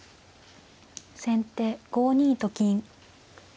先手５二と金。